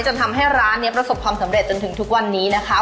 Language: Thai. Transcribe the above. จนทำให้ร้านนี้ประสบความสำเร็จจนถึงทุกวันนี้นะคะ